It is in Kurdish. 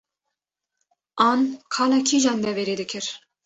an qala kîjan deverê dikir